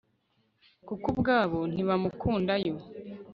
kuko ubwabo ntibamukunda yo